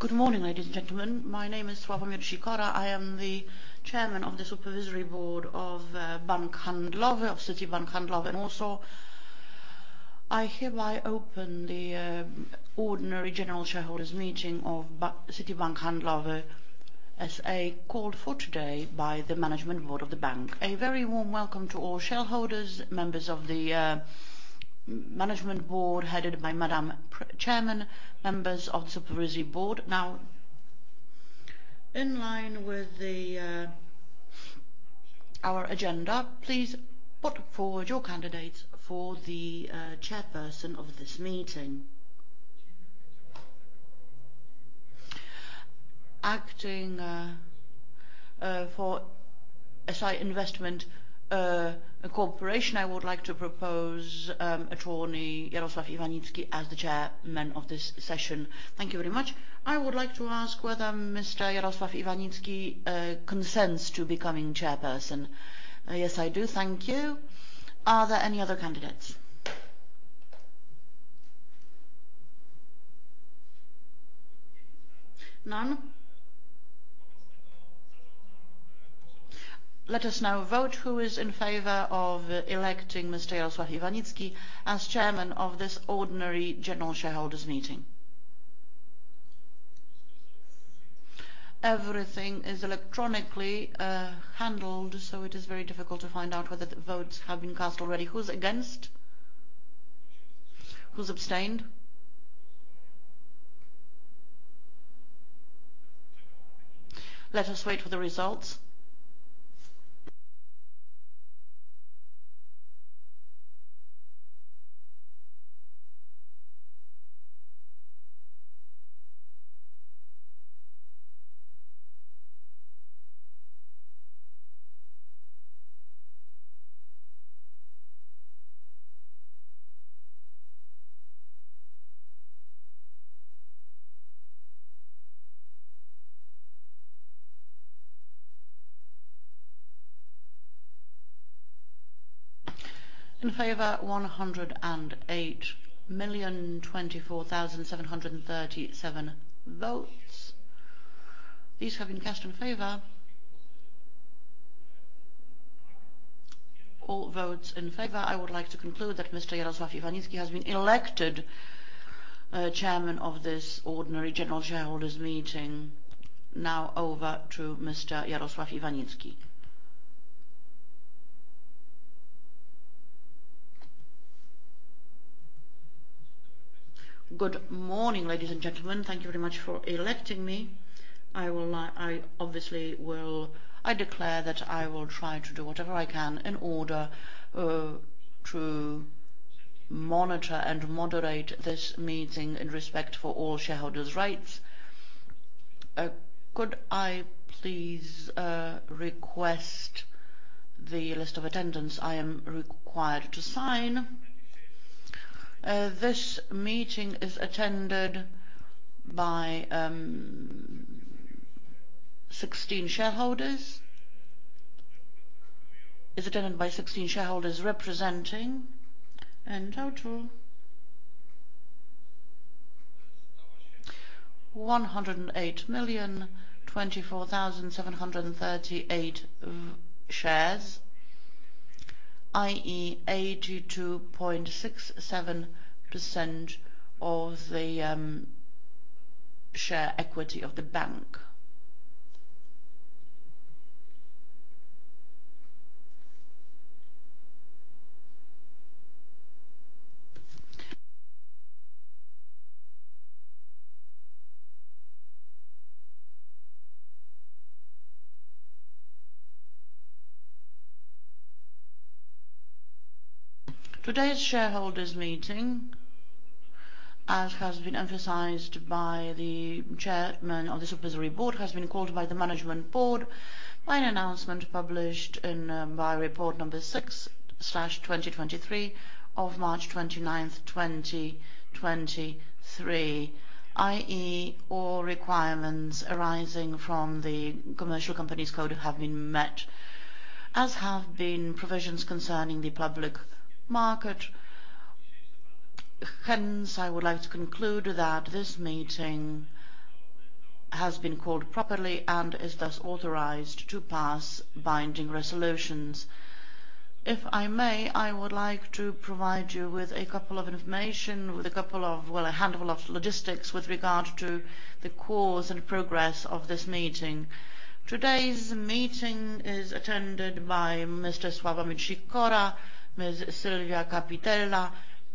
Good morning, ladies and gentlemen. My name is Sławomir Sikora. I am the Chairman of the Supervisory Board of Bank Handlowy, of Citi Handlowy, and also I hereby open the ordinary general shareholders meeting of Citi Handlowy as a call for today by the management board of the bank. A very warm welcome to all shareholders, members of the management board headed by Madam Chairman, members of Supervisory Board. In line with our agenda, please put forward your candidates for the chairperson of this meeting. Acting for SI Investment Corporation, I would like to propose attorney Jarosław Iwanicki as the chairman of this session. Thank you very much. I would like to ask whether Mr. Jarosław Iwanicki consents to becoming chairperson. Yes, I do. Thank you. Are there any other candidates? None. Let us now vote. Who is in favor of electing Mr. Jarosław Iwanicki as chairman of this ordinary general shareholders meeting? Everything is electronically handled, so it is very difficult to find out whether the votes have been cast already. Who's against? Who's abstained? Let us wait for the results. In favor, 108 million, 24 thousand, 737 votes. These have been cast in favor. All votes in favor. I would like to conclude that Mr. Jarosław Iwanicki has been elected chairman of this ordinary general shareholders meeting. Over to Mr. Jarosław Iwanicki. Good morning, ladies and gentlemen. Thank you very much for electing me. I obviously will... I declare that I will try to do whatever I can in order to monitor and moderate this meeting in respect for all shareholders' rights. Could I please request the list of attendance I am required to sign? This meeting is attended by 16 shareholders. Is attended by 16 shareholders representing in total 108,024,738 of shares, i.e., 82.67% of the share equity of the bank. Today's shareholders meeting, as has been emphasized by the Chairman of the Supervisory Board, has been called by the Management Board by an announcement published in by report number 6/2023 of March 29, 2023, i.e., all requirements arising from the Commercial Companies Code have been met, as have been provisions concerning the public market. I would like to conclude that this meeting has been called properly and is thus authorized to pass binding resolutions. If I may, I would like to provide you with a couple of information, a handful of logistics with regard to the cause and progress of this meeting. Today's meeting is attended by Mr. Sławomir Sikora, Ms. Sylwia Kapital,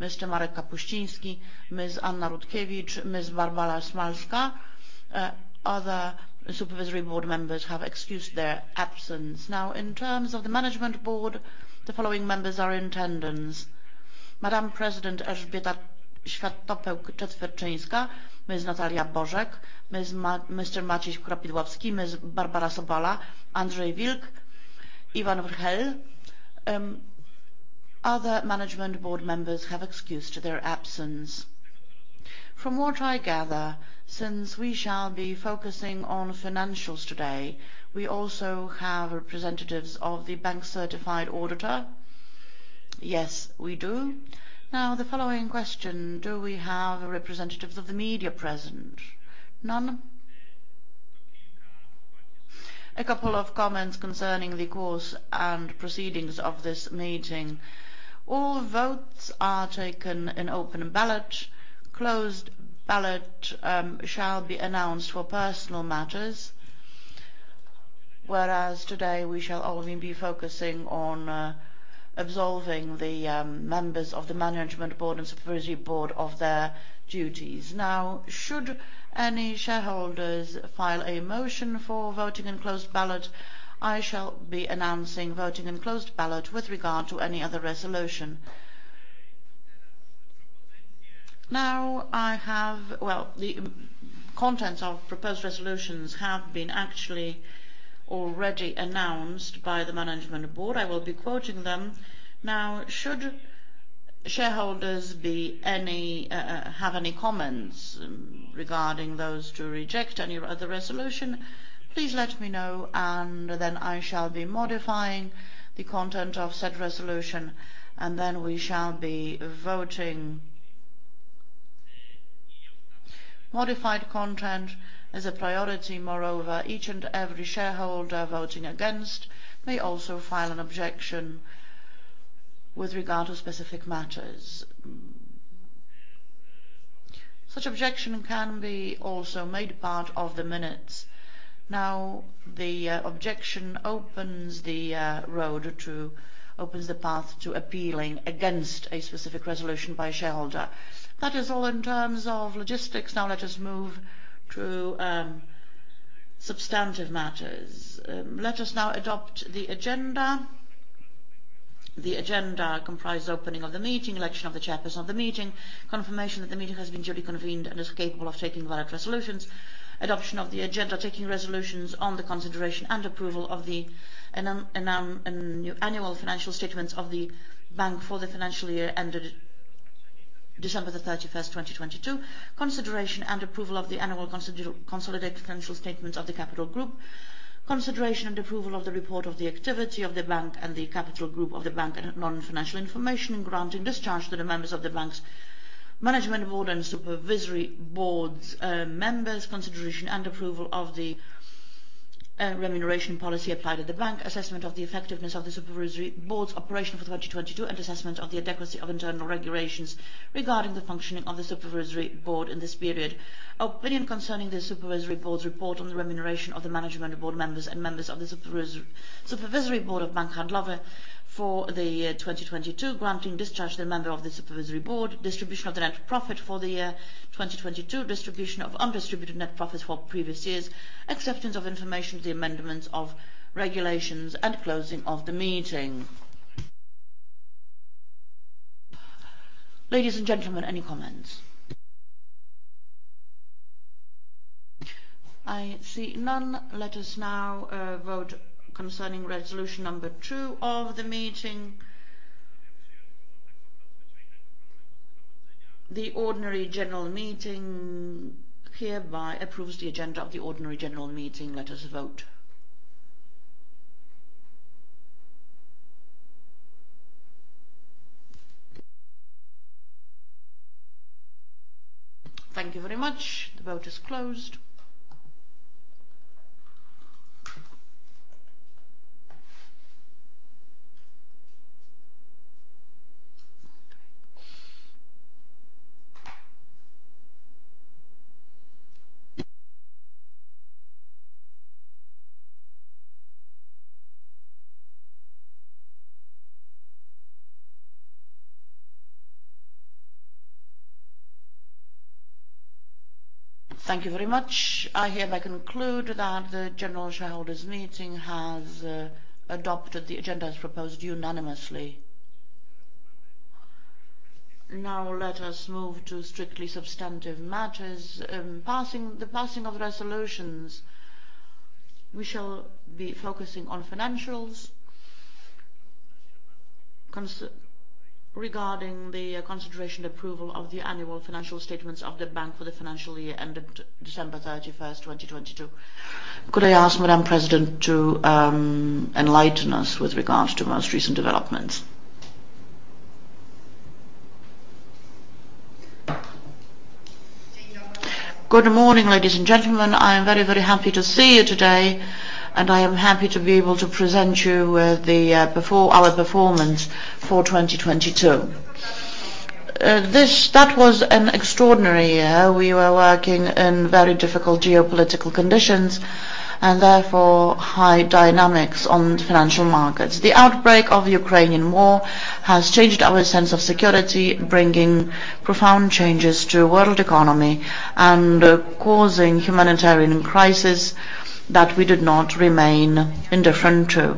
Mr. Marek Kapuściński, Ms. Anna Rulkiewicz, Ms. Barbara Smalska. Other Supervisory Board members have excused their absence. In terms of the Management Board, the following members are in attendance. Madam President Elżbieta Światopełk-Czetwertyńska, Ms. Natalia Bożek, Mr. Maciej Kropidłowski, Ms. Barbara Sobala, Andrzej Wilk, Ivan Vrljić. Other Management Board members have excused their absence. From what I gather, since we shall be focusing on financials today, we also have representatives of the bank-certified auditor. Yes, we do. The following question, do we have representatives of the media present? None. A couple of comments concerning the course and proceedings of this meeting. All votes are taken in open ballot. Closed ballot shall be announced for personal matters. Whereas today, we shall only be focusing on absolving the members of the management board and supervisory board of their duties. Now, should any shareholders file a motion for voting in closed ballot, I shall be announcing voting in closed ballot with regard to any other resolution. Well, the contents of proposed resolutions have been actually already announced by the management board. I will be quoting them. Now, should shareholders have any comments regarding those to reject any other resolution, please let me know, and then I shall be modifying the content of said resolution, and then we shall be voting. Modified content is a priority. Moreover, each and every shareholder voting against may also file an objection with regard to specific matters. Such objection can be also made part of the minutes. The objection opens the path to appealing against a specific resolution by a shareholder. That is all in terms of logistics. Let us move to substantive matters. Let us now adopt the agenda. The agenda comprise opening of the meeting, election of the chairperson of the meeting, confirmation that the meeting has been duly convened and is capable of taking valid resolutions, adoption of the agenda, taking resolutions on the consideration and approval of the annual financial statements of the bank for the financial year ended December 31st, 2022. Consideration and approval of the annual consolidated financial statements of the capital group. Consideration and approval of the report of the activity of the bank and the capital group of the bank and non-financial information in granting discharge to the members of the bank's management board and supervisory board's members. Consideration and approval of the remuneration policy applied to the bank. Assessment of the effectiveness of the supervisory board's operation for 2022, and assessment of the adequacy of internal regulations regarding the functioning of the supervisory board in this period. Opinion concerning the supervisory board's report on the remuneration of the management board members and members of the supervisory board of Bank Handlowy for the year 2022, granting discharge to the member of the supervisory board. Distribution of the net profit for the year 2022. Distribution of undistributed net profits for previous years. Acceptance of information to the amendments of regulations and closing of the meeting. Ladies and gentlemen, any comments? I see none. Let us now vote concerning resolution number two of the meeting. The ordinary general meeting hereby approves the agenda of the ordinary general meeting. Let us vote. Thank you very much. The vote is closed. Thank you very much. I hereby conclude that the general shareholders' meeting has adopted the agenda as proposed unanimously. Now let us move to strictly substantive matters, the passing of resolutions. We shall be focusing on financials regarding the consideration approval of the annual financial statements of the bank for the financial year ended December 31, 2022. Could I ask Madam President to enlighten us with regards to most recent developments? Good morning, ladies and gentlemen. I am very, very happy to see you today, and I am happy to be able to present you with our performance for 2022. That was an extraordinary year. We were working in very difficult geopolitical conditions and therefore high dynamics on financial markets. The outbreak of Ukrainian War has changed our sense of security, bringing profound changes to world economy and causing humanitarian crisis that we did not remain indifferent to.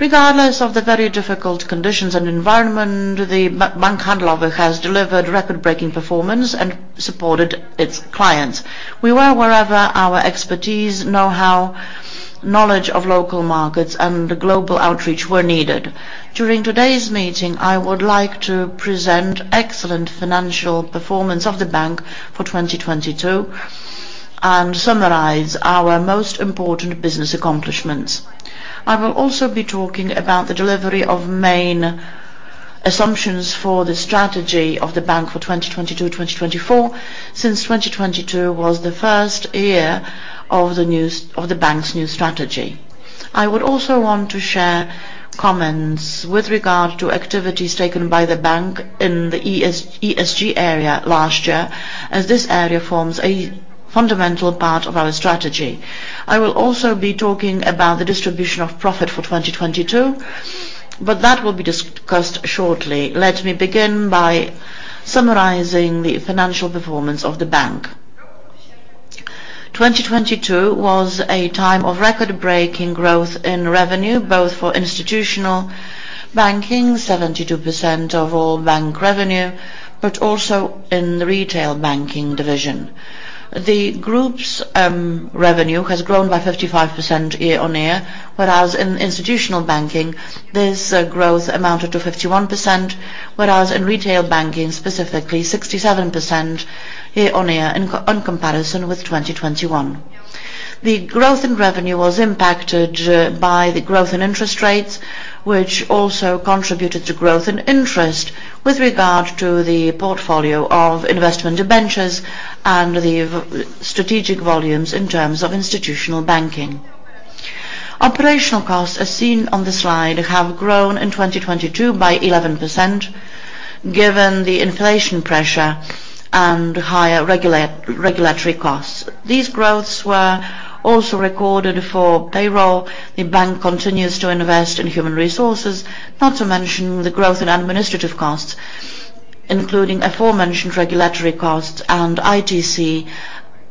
Regardless of the very difficult conditions and environment, Bank Handlowy has delivered record-breaking performance and supported its clients. We were wherever our expertise, know-how, knowledge of local markets, and the global outreach were needed. During today's meeting, I would like to present excellent financial performance of the bank for 2022. Summarize our most important business accomplishments. I will also be talking about the delivery of main assumptions for the strategy of the bank for 2022, 2024, since 2022 was the first year of the bank's new strategy. I would also want to share comments with regard to activities taken by the bank in the ESG area last year, as this area forms a fundamental part of our strategy. I will also be talking about the distribution of profit for 2022, but that will be discussed shortly. Let me begin by summarizing the financial performance of the bank. 2022 was a time of record-breaking growth in revenue, both for institutional banking, 72% of all bank revenue, but also in the retail banking division. The group's revenue has grown by 55% year-on-year, whereas in institutional banking, this growth amounted to 51%, whereas in retail banking, specifically 67% year-on-year in comparison with 2021. The growth in revenue was impacted by the growth in interest rates, which also contributed to growth in interest with regard to the portfolio of investment debentures and the strategic volumes in terms of institutional banking. Operational costs, as seen on the slide, have grown in 2022 by 11% given the inflation pressure and higher regulatory costs. These growths were also recorded for payroll. The bank continues to invest in human resources, not to mention the growth in administrative costs, including aforementioned regulatory costs and ICT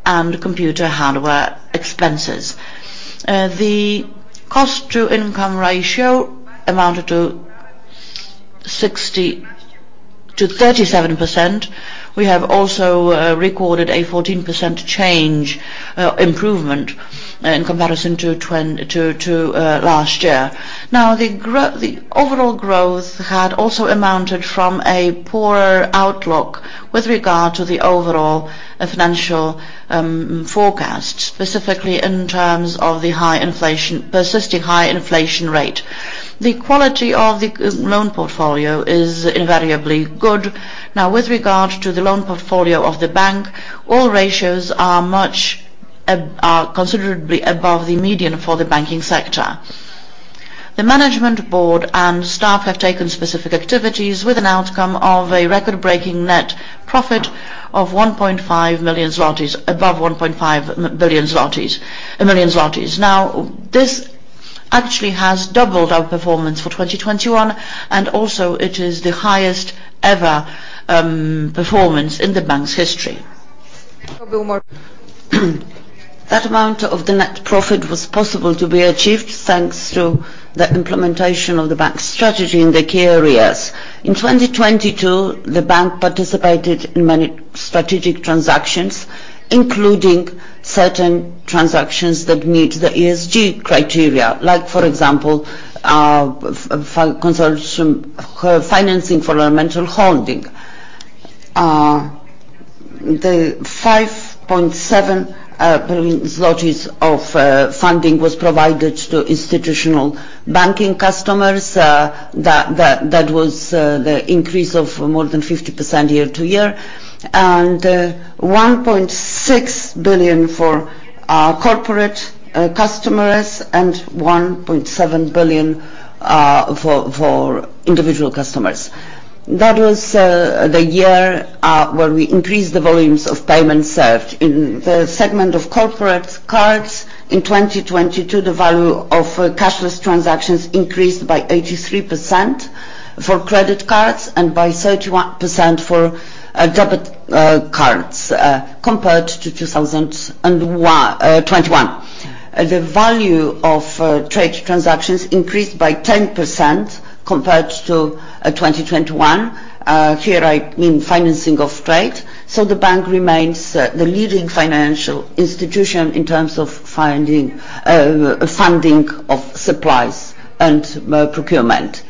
and computer hardware expenses. The cost-to-income ratio amounted to 37%. We have also recorded a 14% change, improvement in comparison to last year. The overall growth had also amounted from a poorer outlook with regard to the overall financial forecast, specifically in terms of the high inflation persisting high inflation rate. The quality of the loan portfolio is invariably good. With regard to the loan portfolio of the bank, all ratios are considerably above the median for the banking sector. The management board and staff have taken specific activities with an outcome of a record-breaking net profit of 1.5 million zlotys złotys. This actually has doubled our performance for 2021, and also it is the highest ever performance in the bank's history. That amount of the net profit was possible to be achieved thanks to the implementation of the bank's strategy in the key areas. In 2022, the bank participated in many strategic transactions, including certain transactions that meet the ESG criteria. For example, for consortium financing for Elemental Holding. The 5.7 billion zlotys of funding was provided to institutional banking customers. That was the increase of more than 50% quarter-over-quarter. 1.6 billion for our corporate customers and 1.7 billion for individual customers. That was the year where we increased the volumes of payments served. In the segment of corporate cards in 2022, the value of cashless transactions increased by 83% for credit cards and by 31% for debit cards compared to 2021. The value of trade transactions increased by 10% compared to 2021. Here I mean financing of trade. The bank remains the leading financial institution in terms of finding funding of supplies and procurement.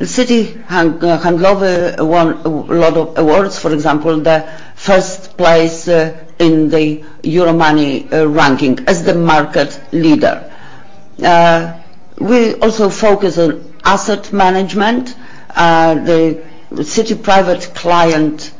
Citi Handlowy won a lot of awards, for example, the first place in the Euromoney ranking as the market leader. We also focus on asset management. The Citi Private Client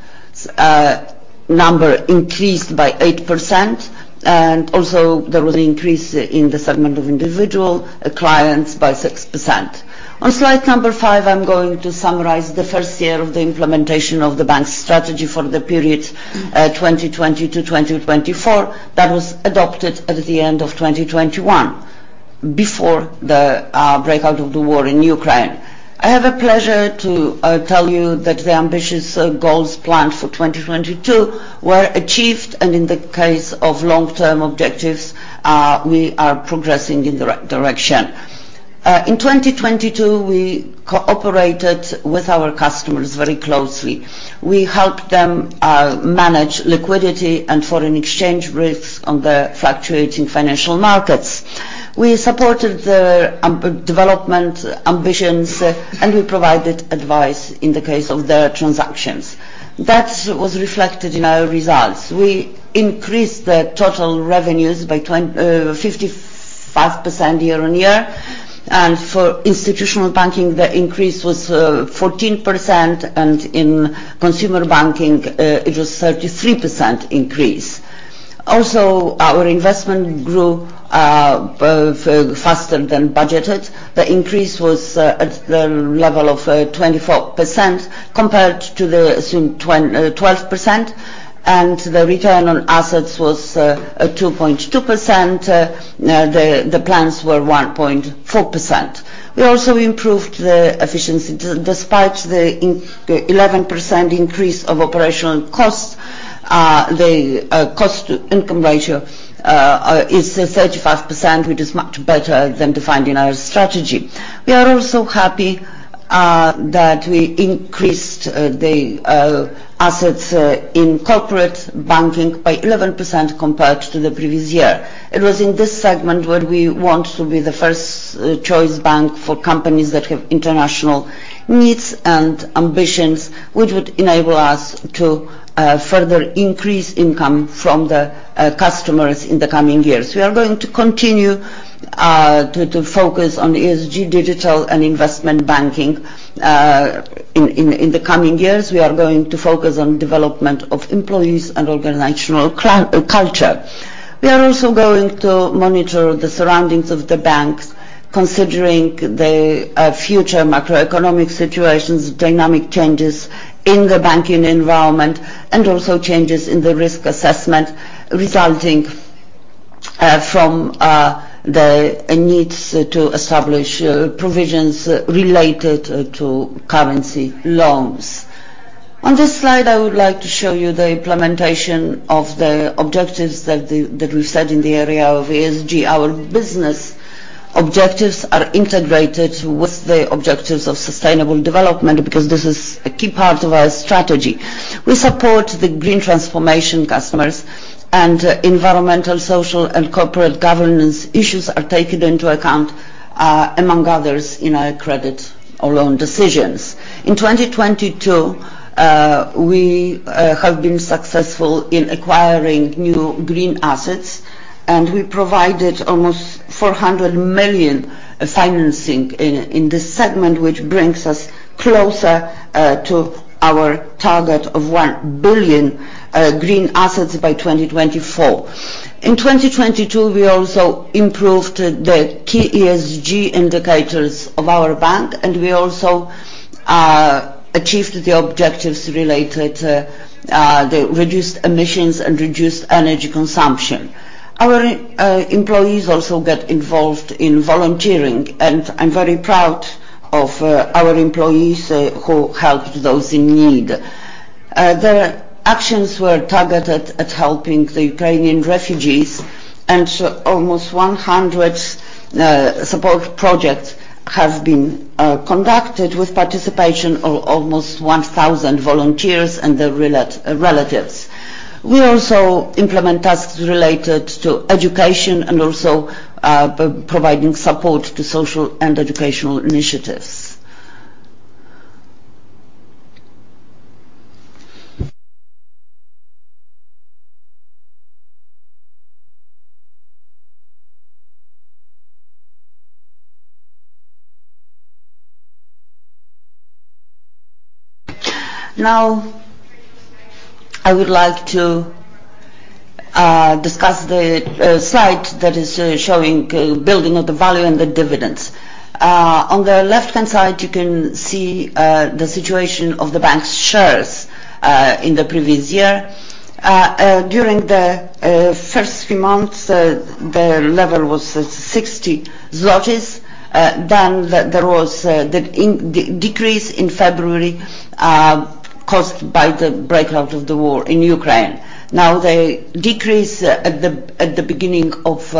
number increased by 8%, and also there was an increase in the segment of individual clients by 6%. On slide number five, I'm going to summarize the first year of the implementation of the bank's strategy for the period 2020 to 2024 that was adopted at the end of 2021, before the breakout of the war in Ukraine. I have a pleasure to tell you that the ambitious goals planned for 2022 were achieved, and in the case of long-term objectives, we are progressing in the right direction. In 2022, we cooperated with our customers very closely. We helped them manage liquidity and foreign exchange risks on the fluctuating financial markets. We supported the development ambitions, and we provided advice in the case of their transactions. That was reflected in our results. We increased the total revenues by 55% year-on-year. For institutional banking, the increase was 14%, and in consumer banking, it was 33% increase. Also, our investment grew both faster than budgeted. The increase was at the level of 24% compared to the assumed 12%, and the return on assets was 2.2%. The plans were 1.4%. We also improved the efficiency. Despite the 11% increase of operational costs, the cost-to-income ratio is 35%, which is much better than defined in our strategy. We are also happy that we increased the assets in corporate banking by 11% compared to the previous year. It was in this segment where we want to be the first choice bank for companies that have international needs and ambitions, which would enable us to further increase income from the customers in the coming years. We are going to continue to focus on ESG digital and investment banking in the coming years. We are going to focus on development of employees and organizational culture. We are also going to monitor the surroundings of the banks, considering the future macroeconomic situations, dynamic changes in the banking environment, and also changes in the risk assessment resulting from the needs to establish provisions related to currency loans. On this slide, I would like to show you the implementation of the objectives that we set in the area of ESG. Our business objectives are integrated with the objectives of sustainable development because this is a key part of our strategy. We support the green transformation customers and environmental, social, and corporate governance issues are taken into account, among others in our credit or loan decisions. In 2022, we have been successful in acquiring new green assets, and we provided almost 400 million financing in this segment, which brings us closer to our target of 1 billion green assets by 2024. In 2022, we also improved the key ESG indicators of our bank, and we also achieved the objectives related to the reduced emissions and reduced energy consumption. Our, employees also got involved in volunteering, and I'm very proud of our employees who helped those in need. Their actions were targeted at helping the Ukrainian refugees, almost 100 support projects have been conducted with participation of almost 1,000 volunteers and their relatives. We also implement tasks related to education and also providing support to social and educational initiatives. I would like to discuss the slide that is showing building of the value and the dividends. On the left-hand side, you can see the situation of the bank's shares in the previous year. During the first few months, the level was at 60 zlotys. There was the decrease in February, caused by the breakout of the war in Ukraine. The decrease at the beginning of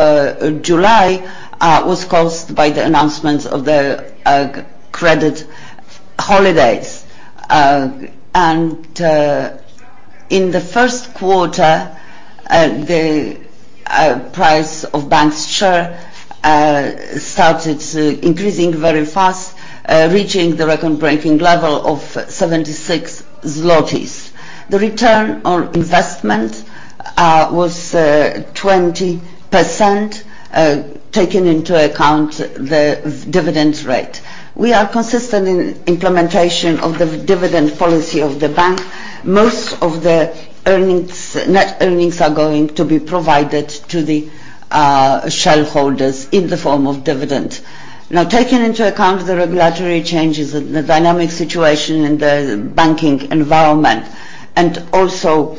July was caused by the announcement of the credit holidays. In the Q1, the price of bank's share started to increasing very fast, reaching the record-breaking level of 76 zlotys. The return on investment was 20%, taking into account the dividend rate. We are consistent in implementation of the dividend policy of the bank. Most of the earnings, net earnings are going to be provided to the shareholders in the form of dividend. Taking into account the regulatory changes and the dynamic situation in the banking environment and also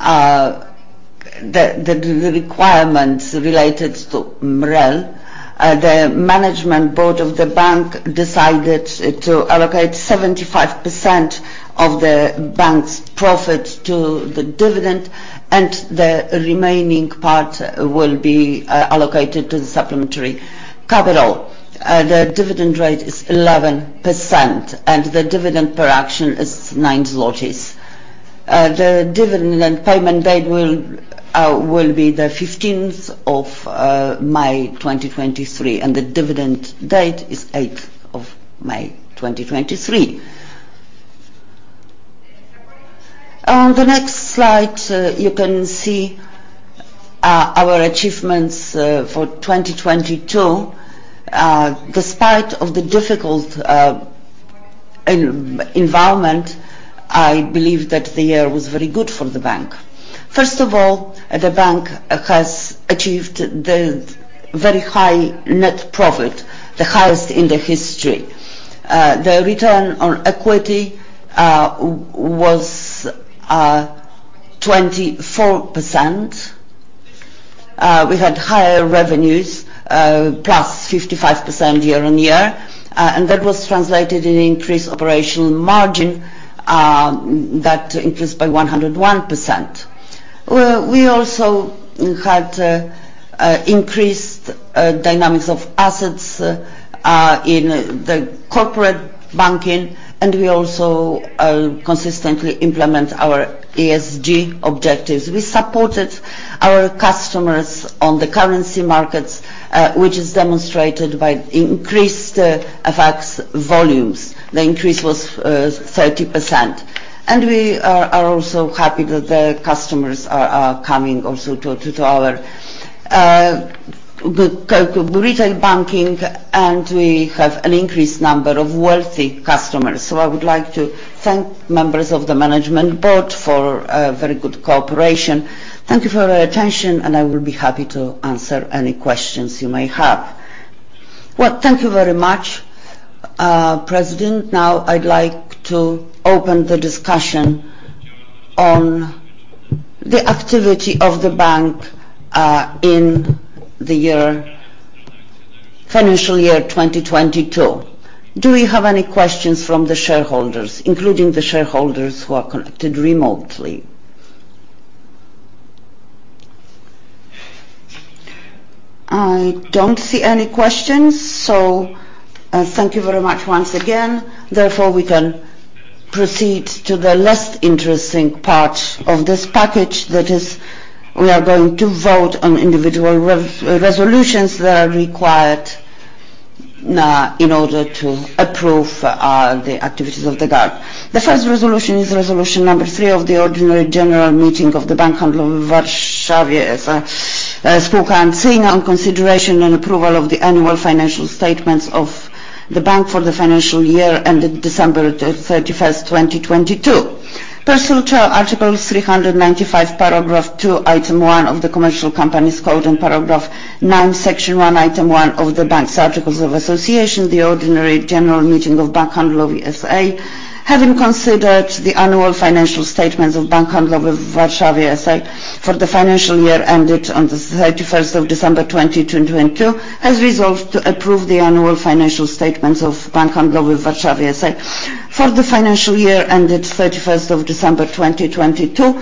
the requirements related to MREL, the management board of the bank decided to allocate 75% of the bank's profit to the dividend, and the remaining part will be allocated to the supplementary capital. The dividend rate is 11%, and the dividend per action is nine PLN. The dividend payment date will be the 15th of May 2023, and the dividend date is 8th of May 2023. On the next slide, you can see our achievements for 2022. Despite of the difficult environment, I believe that the year was very good for the bank. First of all, the bank has achieved the very high net profit, the highest in the history. The return on equity was 24%. We had higher revenues, plus 55% year-on-year. That was translated in increased operational margin, that increased by 101%. We also had increased dynamics of assets in the corporate banking, we also consistently implement our ESG objectives. We supported our customers on the currency markets, which is demonstrated by increased effects, volumes. The increase was 30%. We are also happy that the customers are coming also to our retail banking, we have an increased number of wealthy customers. I would like to thank members of the management board for very good cooperation. Thank you for your attention, I will be happy to answer any questions you may have. Thank you very much, President. Now I'd like to open the discussion on the activity of the bank in the financial year 2022. Do we have any questions from the shareholders, including the shareholders who are connected remotely? I don't see any questions, so, thank you very much once again. Therefore, we can proceed to the less interesting part of this package. That is, we are going to vote on individual resolutions that are required in order to approve the activities of the bank. The first resolution is resolution number three of the ordinary general meeting of the Bank Handlowy w Warszawie S.A., Spółka Akcyjna on consideration and approval of the annual financial statements of the bank for the financial year ended December the 31st, 2022. Pursuant to Articles 395, Paragraph two, Item one of the Commercial Companies Code and Paragraph nine, Section one, Item one of the Bank's Articles of Association, the ordinary general meeting of Bank Handlowy S.A., having considered the annual financial statements of Bank Handlowy w Warszawie S.A. for the financial year ended on the 31st of December 2022, has resolved to approve the annual financial statements of Bank Handlowy w Warszawie S.A. for the financial year ended 31st of December 2022,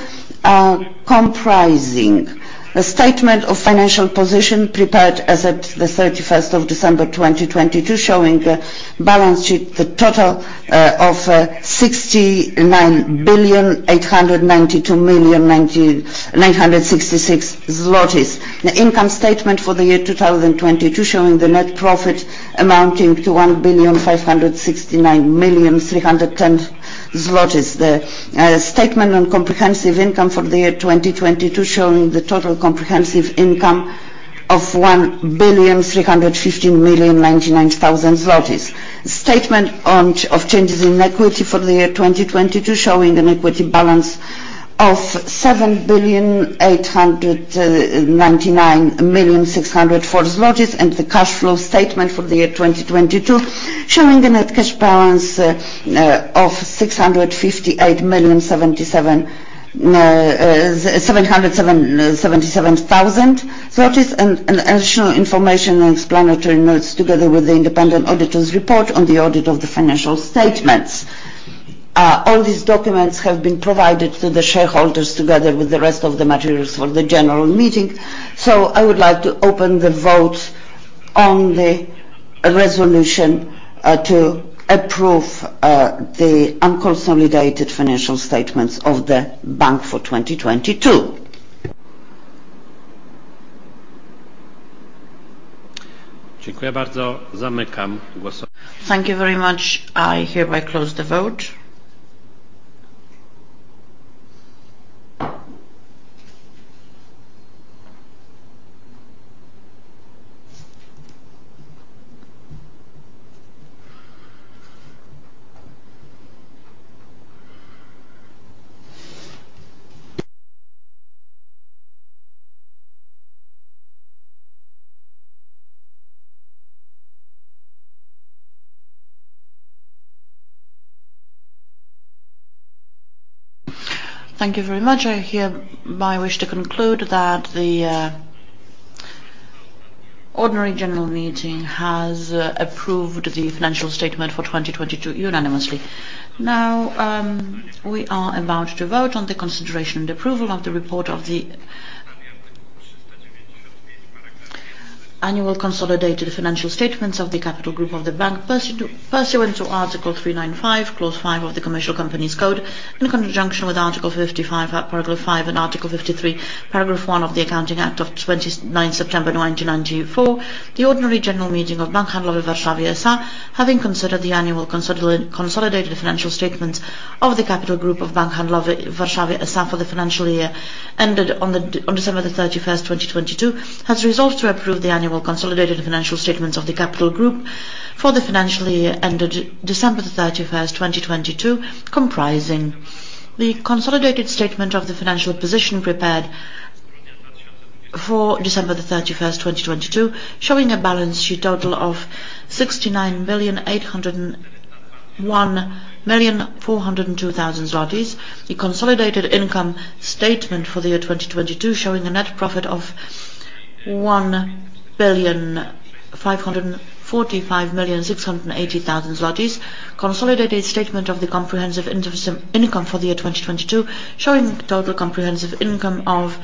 comprising a statement of financial position prepared as at the 31st of December 2022, showing the balance sheet, the total of 69 billion 892 million 966 złotys. The income statement for the year 2022 showing the net profit amounting to 1,569,310,000 zlotys. The statement on comprehensive income for the year 2022 showing the total comprehensive income of 1,315,099,000 zlotys. Statement of changes in equity for the year 2022 showing an equity balance of 7,899,604,000. The cash flow statement for the year 2022 showing a net cash balance of 658,777,000. Additional information and explanatory notes together with the independent auditor's report on the audit of the financial statements. All these documents have been provided to the shareholders together with the rest of the materials for the general meeting. I would like to open the vote on the resolution to approve the unconsolidated financial statements of the bank for 2022. Thank you very much. I hereby close the vote. Thank you very much. I hereby wish to conclude that the ordinary general meeting has approved the financial statement for 2022 unanimously. Now, we are about to vote on the consideration and approval of the report of the Annual consolidated financial statements of the capital group of the bank. Pursuant to Article 395, Clause 5 of the Commercial Companies Code, in conjunction with Article 55, Paragraph 5, and Article 53, Paragraph 1 of the Accounting Act of 29 September 1994. The ordinary general meeting of Bank Handlowy w Warszawie S.A., having considered the annual consolidated financial statements of the capital group of Bank Handlowy w Warszawie S.A. for the financial year ended on December 31st 2022, has resolved to approve the annual consolidated financial statements of the capital group for the financial year ended December 31st 2022. Comprising the consolidated statement of the financial position prepared for December 31st 2022, showing a balance sheet total of PLN 69 billion 801 million 402 thousand złotys. The consolidated income statement for the year 2022, showing a net profit of 1,545,680,000 zlotys złotys. Consolidated statement of the comprehensive income for the year 2022, showing total comprehensive income of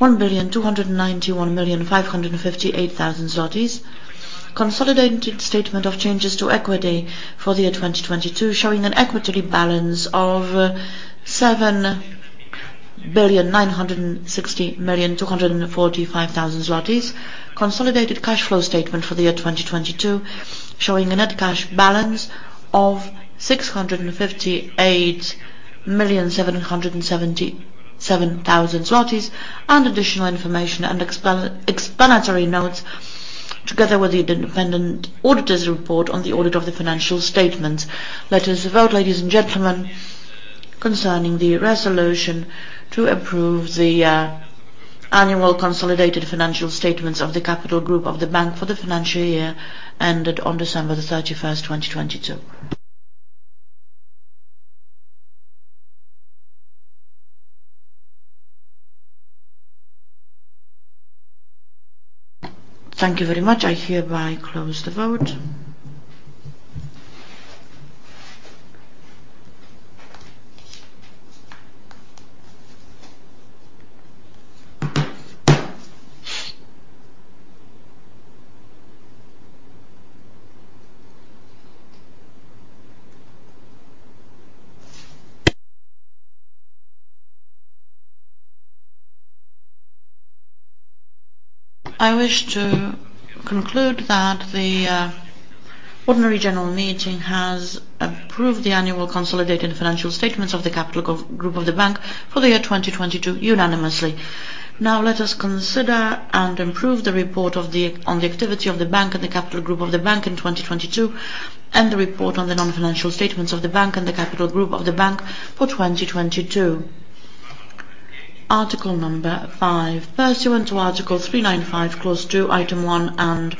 1,291,558,000 zlotys złotys. Consolidated statement of changes to equity for the year 2022, showing an equity balance of 7,960,245,000 złotys. Consolidated cash flow statement for the year 2022, showing a net cash balance of 658,777,000 zlotys złotys. Additional information and explanatory notes together with the independent auditor's report on the audit of the financial statements. Let us vote, ladies and gentlemen, concerning the resolution to approve the Annual Consolidated Financial Statements of the capital group of the Bank for the financial year ended on December 31, 2022. Thank you very much. I hereby close the vote. I wish to conclude that the Ordinary General Meeting has approved the Annual Consolidated Financial Statements of the capital group of the Bank for the year 2022 unanimously. Let us consider and approve the Report on the Activity of the Bank and the capital group of the Bank in 2022, and the Report on the Non-Financial Statements of the Bank and the capital group of the Bank for 2022. Article number five. Pursuant to Article 395, Clause two, Item one, and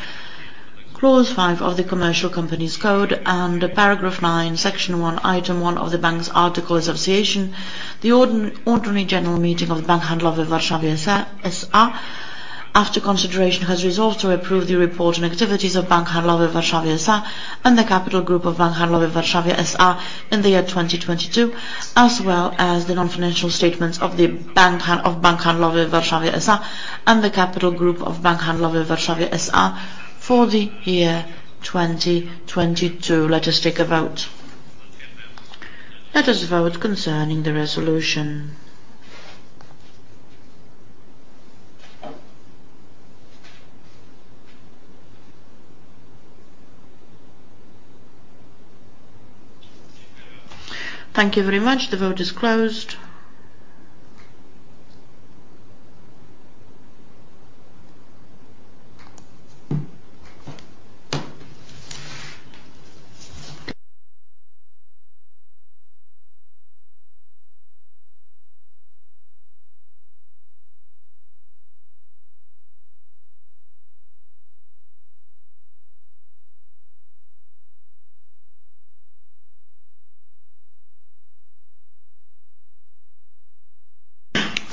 Clause five of the Commercial Companies Code and Paragraph nine, Section one, Item one of the bank's Article Association, the ordinary general meeting of Bank Handlowy w Warszawie S.A., after consideration, has resolved to approve the report on activities of Bank Handlowy w Warszawie S.A. and the capital group of Bank Handlowy w Warszawie S.A. in the year 2022, as well as the non-financial statements of Bank Handlowy w Warszawie S.A. and the capital group of Bank Handlowy w Warszawie S.A. for the year 2022. Let us take a vote. Let us vote concerning the resolution. Thank you very much. The vote is closed.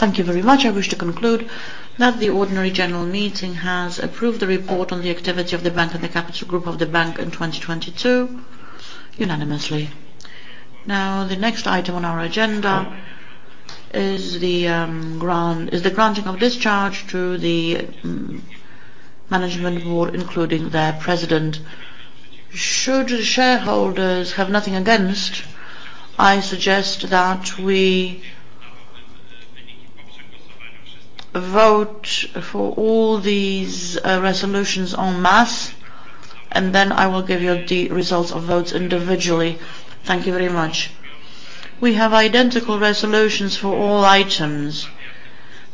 Thank you very much. I wish to conclude that the ordinary general meeting has approved the report on the activity of the bank and the capital group of the bank in 2022 unanimously. The next item on our agenda is the granting of discharge to the management board, including their President. Should the shareholders have nothing against, I suggest that we vote for all these resolutions en masse, then I will give you the results of votes individually. Thank you very much. We have identical resolutions for all items.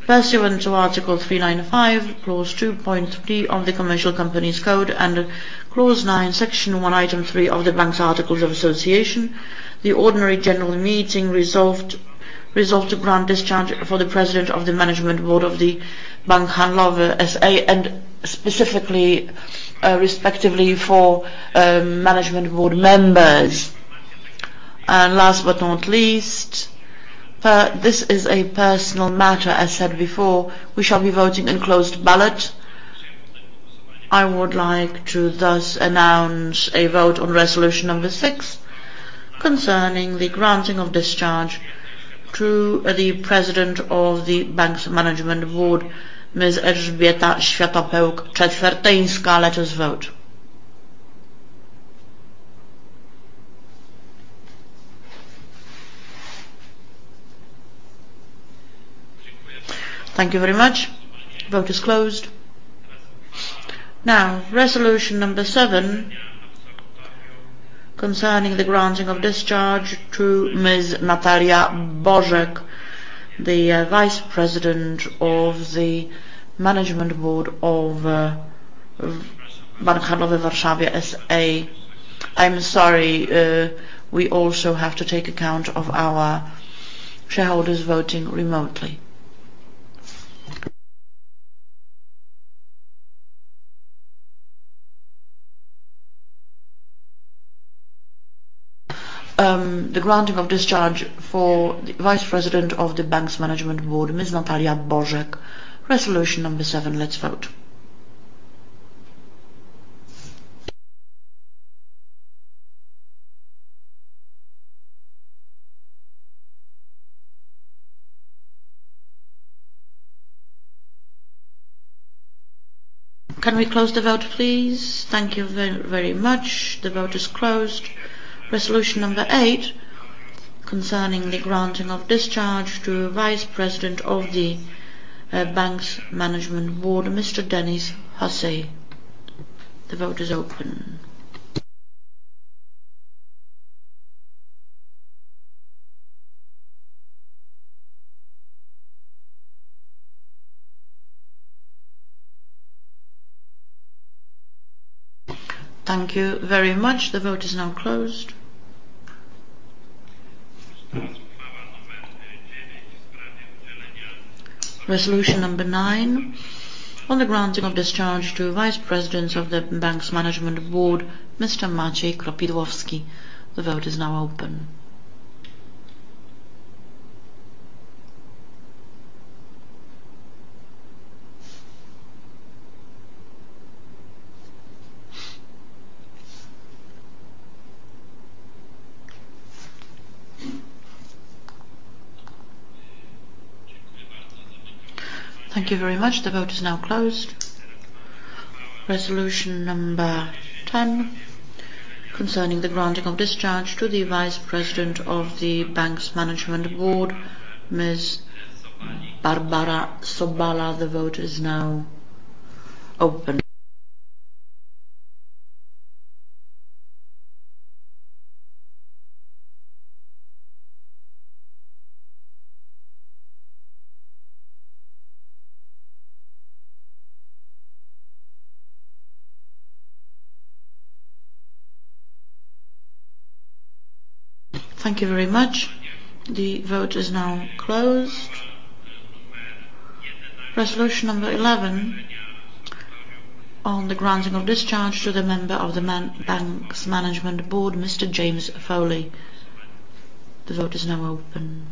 Pursuant to Article 395, Clause two, Point three of the Commercial Companies Code and Clause nine, Section one, Item three of the bank's Articles of Association, the ordinary general meeting resolved to grant discharge for the President of the Management Board of the Bank Handlowy S.A., and specifically, respectively for management board members. Last but not least, this is a personal matter, as said before. We shall be voting in closed ballot. I would like to thus announce a vote on resolution number 6 concerning the granting of discharge to the President of the bank's management board, Ms. Elżbieta Światopełk-Czetwertyńska. Let us vote. Thank you very much. Vote is closed. Resolution number seven, concerning the granting of discharge to Ms. Natalia Bożek, the Vice President of the management board of Bank Handlowy w Warszawie S.A. I'm sorry, we also have to take account of our shareholders voting remotely. The granting of discharge for the Vice President of the bank's management board, Ms. Natalia Bożek. Resolution number seven. Let's vote. Can we close the vote, please? Thank you very much. The vote is closed. Resolution number eight, concerning the granting of discharge to Vice President of the bank's management board, Mr. Denis Husey. The vote is open. Thank you very much. The vote is now closed. Resolution number nine on the granting of discharge to Vice President of the bank's Management Board, Mr. Maciej Kropidłowski. The vote is now open. Thank you very much. The vote is now closed. Resolution number 10, concerning the granting of discharge to the Vice President of the bank's Management Board, Ms. Barbara Sobala. The vote is now open. Thank you very much. The vote is now closed. Resolution number 11 on the granting of discharge to the Member of the bank's Management Board, Mr. James Foley. The vote is now open.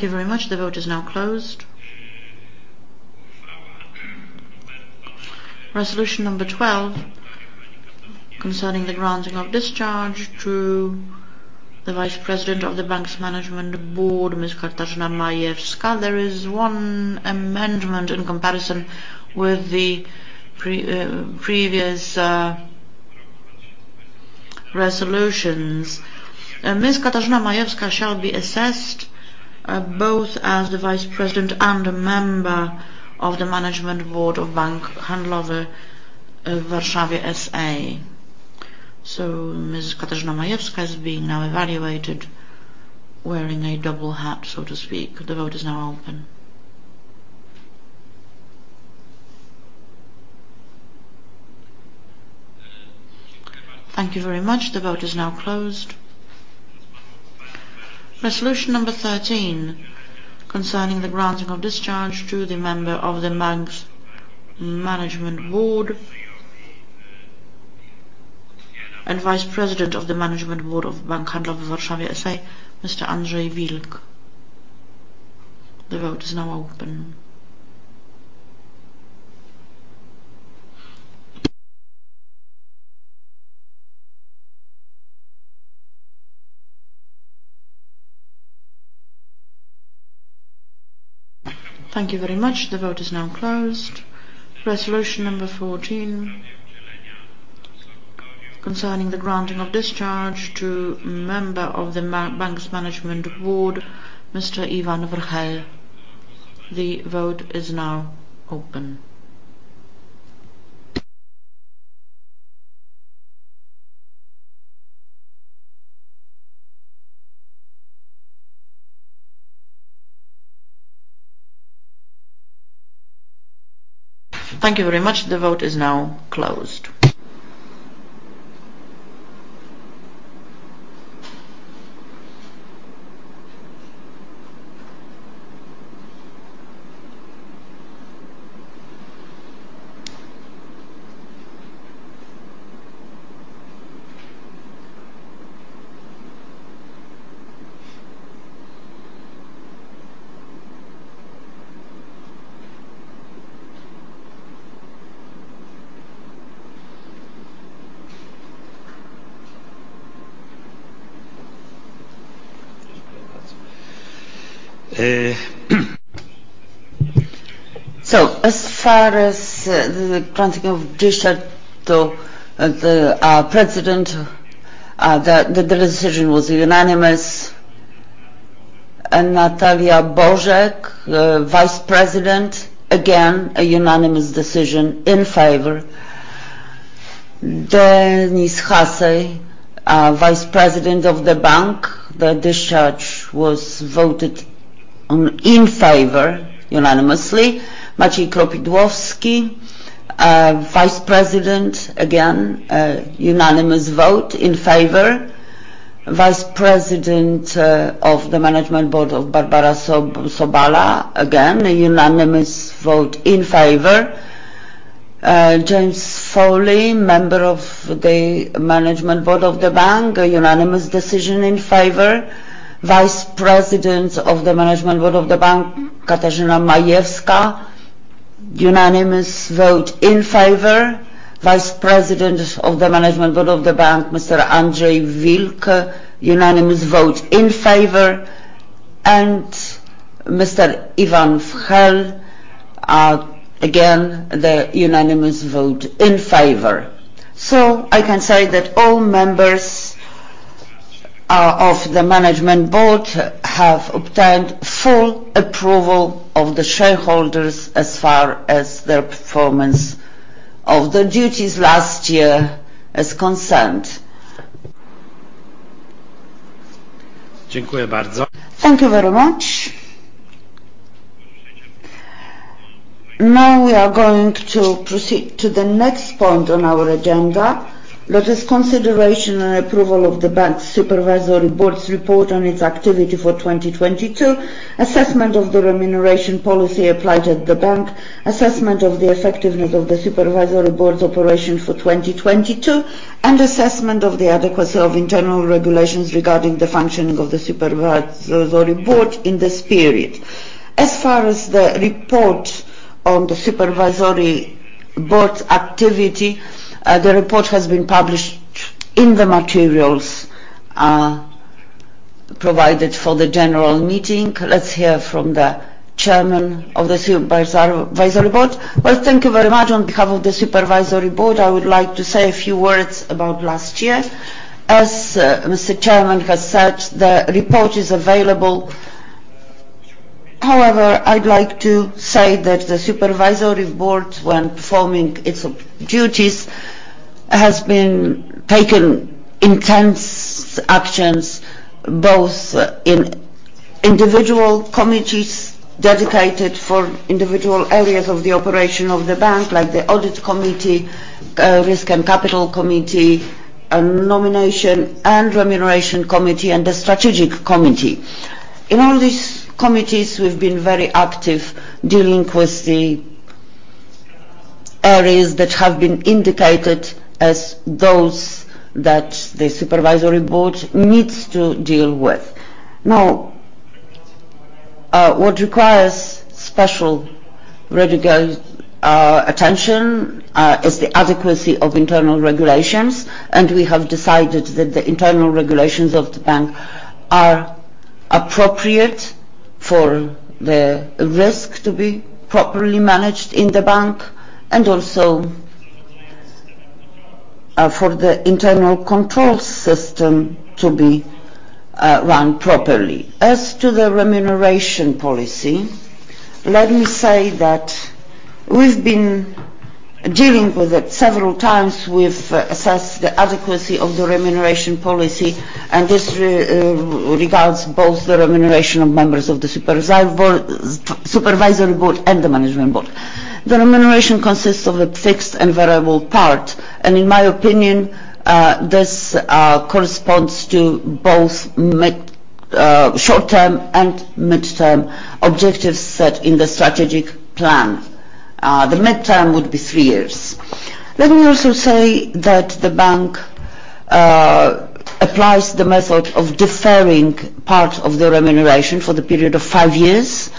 Thank you very much. The vote is now closed. Resolution number 12, concerning the granting of discharge to the Vice President of the bank's Management Board, Ms. Katarzyna Majewska. There is 1 amendment in comparison with the previous resolutions. Ms. Katarzyna Majewska shall be assessed, both as the Vice President and a member of the Management Board of Bank Handlowy w Warszawie S.A. Ms. Katarzyna Majewska is being now evaluated wearing a double hat, so to speak. The vote is now open. Thank you very much. The vote is now closed. Resolution number 13, concerning the granting of discharge to the member of the bank's Management Board and Vice President of the Management Board of Bank Handlowy w Warszawie S.A., Mr. Andrzej Wilk. The vote is now open. Thank you very much. The vote is now closed. Resolution number 14, concerning the granting of discharge to member of the bank's Management Board, Mr. Ivan Vrhel. The vote is now open. Thank you very much. The vote is now closed. As far as the granting of discharge to the president, the decision was unanimous. Natalia Bożek, the Vice President, again, a unanimous decision in favor. Dennis Hussey, Vice President of the bank, the discharge was voted on in favor unanimously. Maciej Kropidłowski, Vice President, again, a unanimous vote in favor. Vice President of the management board of Barbara Sobala, again, a unanimous vote in favor. James Foley, Member of the Management Board of the bank, a unanimous decision in favor. Vice President of the management board of the bank, Katarzyna Majewska, unanimous vote in favor. Vice President of the management board of the bank, Mr. Andrzej Wilk, unanimous vote in favor. Mr. Ivan Vrhel, again, the unanimous vote in favor. I can say that all members of the management board have obtained full approval of the shareholders as far as their performance of their duties last year is concerned. Thank you very much. Now we are going to proceed to the next point on our agenda. That is consideration and approval of the bank's Supervisory Board's report on its activity for 2022. Assessment of the remuneration policy applied at the bank. Assessment of the effectiveness of the Supervisory Board's operation for 2022. Assessment of the adequacy of internal regulations regarding the functioning of the Supervisory Board in this period. As far as the report on the Supervisory Board's activity, the report has been published in the materials provided for the general meeting. Let's hear from the Chairman of the Supervisory Board. Thank you very much. On behalf of the Supervisory Board, I would like to say a few words about last year. As Mr. Chairman has said, the report is available. I'd like to say that the Supervisory Board, when performing its duties, has been taken intense actions, both in individual committees dedicated for individual areas of the operation of the Bank, like the Audit Committee, Risk and Capital Committee, Nomination and Remuneration Committee, and the Strategic Committee. In all these committees, we've been very active dealing with the areas that have been indicated as those that the Supervisory Board needs to deal with. Now, what requires special radical attention is the adequacy of internal regulations. We have decided that the internal regulations of the bank are appropriate for the risk to be properly managed in the bank and also for the internal control system to be run properly. As to the remuneration policy, let me say that we've been dealing with it several times. We've assessed the adequacy of the remuneration policy. This regards both the remuneration of members of the Supervisory Board and the management board. The remuneration consists of a fixed and variable part. In my opinion, this corresponds to both short-term and mid-term objectives set in the strategic plan. The mid-term would be three years. Let me also say that the bank applies the method of deferring part of the remuneration for the period of five years,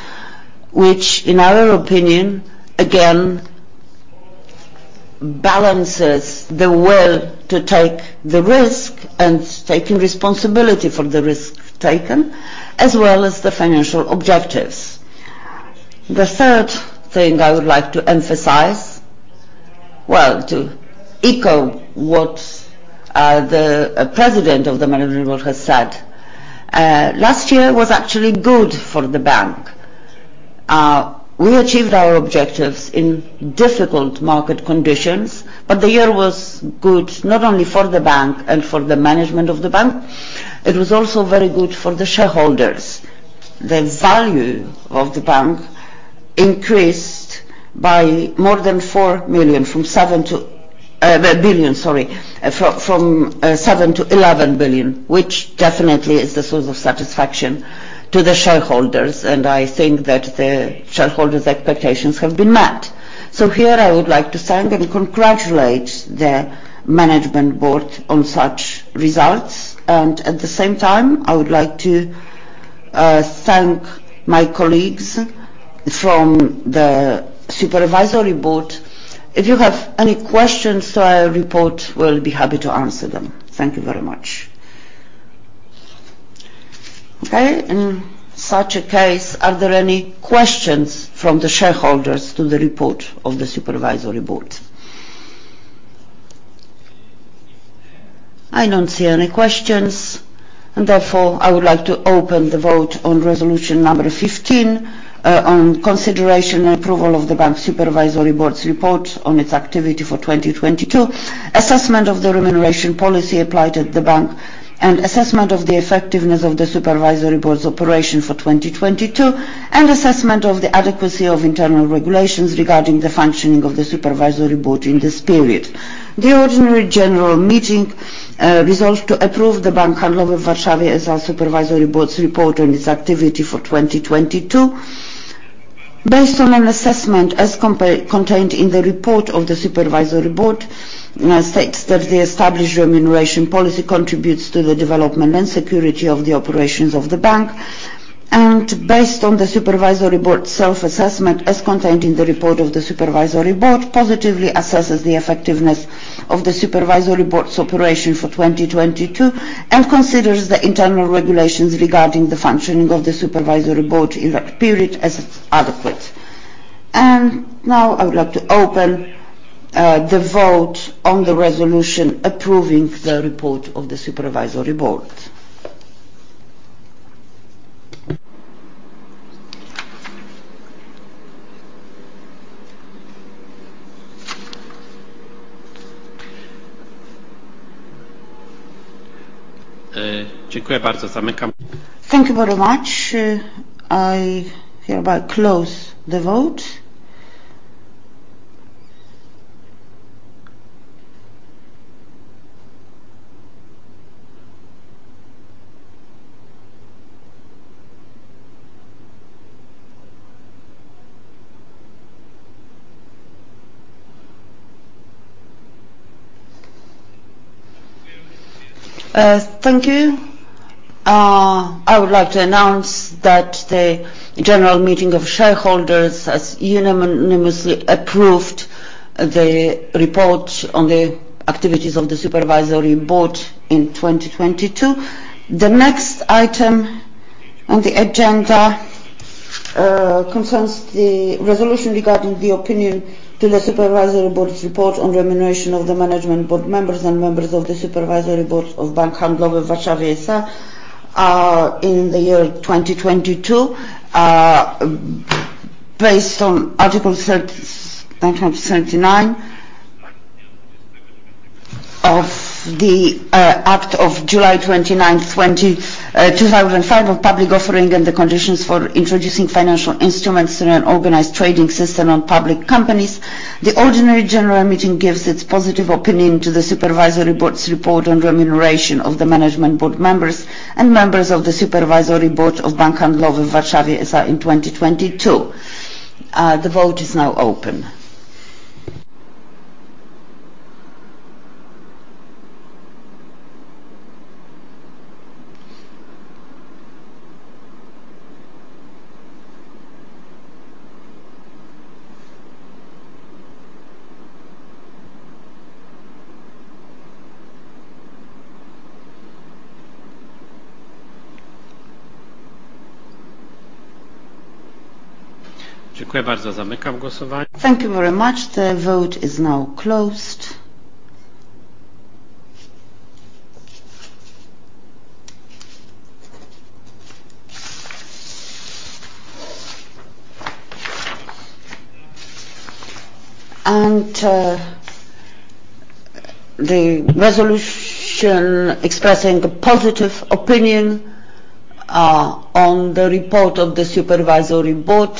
which in our opinion, again, balances the will to take the risk and taking responsibility for the risk taken, as well as the financial objectives. The third thing I would like to emphasize, well, to echo what the President of the Management Board has said, last year was actually good for the bank. We achieved our objectives in difficult market conditions. The year was good not only for the bank and for the management of the bank, it was also very good for the shareholders. The value of the bank increased by more than 4 million, from 7 to billion, sorry. From 7 billion-11 billion, which definitely is the source of satisfaction to the shareholders, and I think that the shareholders' expectations have been met. Here I would like to thank and congratulate the management board on such results, and at the same time, I would like to thank my colleagues from the supervisory board. If you have any questions to our report, we'll be happy to answer them. Thank you very much. Okay. In such a case, are there any questions from the shareholders to the report of the supervisory board? I don't see any questions. Therefore, I would like to open the vote on resolution number 15 on consideration and approval of the bank's supervisory board's report on its activity for 2022, assessment of the remuneration policy applied at the bank, and assessment of the effectiveness of the supervisory board's operation for 2022, and assessment of the adequacy of internal regulations regarding the functioning of the supervisory board in this period. The ordinary general meeting resolved to approve the Bank Handlowy w Warszawie S.A. supervisory board's report on its activity for 2022. Based on an assessment as contained in the report of the supervisory board, states that the established remuneration policy contributes to the development and security of the operations of the bank. Based on the supervisory board's self-assessment as contained in the report of the supervisory board, positively assesses the effectiveness of the supervisory board's operation for 2022 and considers the internal regulations regarding the functioning of the supervisory board in that period as adequate. Now I would like to open the vote on the resolution approving the report of the supervisory board. Thank you very much. I hereby close the vote. Thank you. I would like to announce that the general meeting of shareholders has unanimously approved the report on the activities of the supervisory board in 2022. The next item on the agenda concerns the resolution regarding the opinion to the supervisory board's report on remuneration of the management board members and members of the supervisory board of Bank Handlowy w Warszawie S.A. in the year 2022. Based on Article 3,979 of the Act of July 29, 2005 on public offering and the conditions for introducing financial instruments in an organized trading system on public companies, the ordinary general meeting gives its positive opinion to the supervisory board's report on remuneration of the management board members and members of the supervisory board of Bank Handlowy w Warszawie S.A. in 2022. The vote is now open. Thank you very much. Thank you very much. The vote is now closed. The resolution expressing a positive opinion on the report of the supervisory board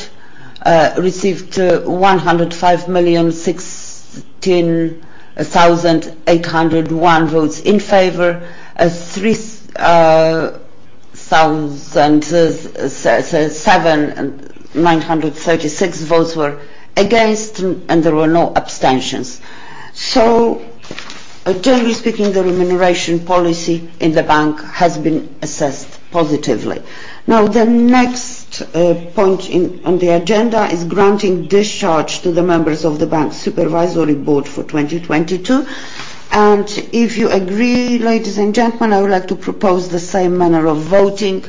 received 105,016,801 votes in favor. 3,007,936 votes were against, and there were no abstentions. Generally speaking, the remuneration policy in the bank has been assessed positively. The next point on the agenda is granting discharge to the members of the bank's Supervisory Board for 2022. If you agree, ladies and gentlemen, I would like to propose the same manner of voting